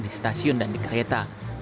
di stasiun dan di kereta